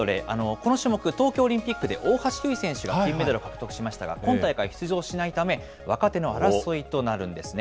この種目、東京オリンピックで大橋悠依選手が金メダルを獲得しましたが、今大会出場しないため、若手の争いとなるんですね。